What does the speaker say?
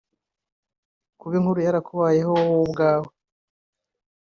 Kuba inkuru yarakubayeho wowe ubwawe